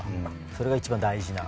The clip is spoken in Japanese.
それが一番大事な。